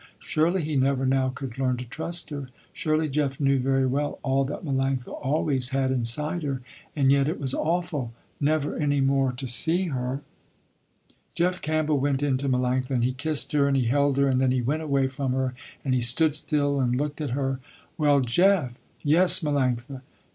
Surely he never now could learn to trust her. Surely Jeff knew very well all that Melanctha always had inside her. And yet it was awful, never any more to see her. Jeff Campbell went in to Melanctha, and he kissed her, and he held her, and then he went away from her and he stood still and looked at her. "Well Jeff!" "Yes Melanctha!"